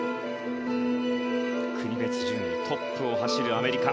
国別順位トップを走るアメリカ。